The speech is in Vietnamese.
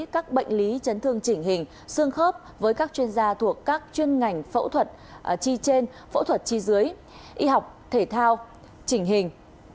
các bệnh lý chấn thương chỉnh hình xương khớp với các chuyên gia thuộc các chuyên ngành phẫu thuật chi trên phẫu thuật chi dưới y học thể thao trình hình